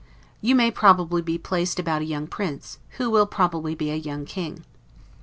You may probably be placed about a young prince, who will probably be a young king.